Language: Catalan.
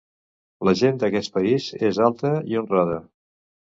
La gent d'aquest país és alta i honrada.